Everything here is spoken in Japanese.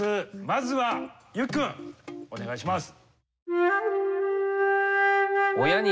まずは裕貴君お願いします。